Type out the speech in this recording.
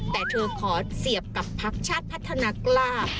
แต่เธอขอเสียบกับพักชาติพัฒนากล้า